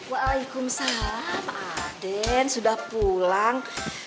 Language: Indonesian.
waalaikumsalam aden sudah pulang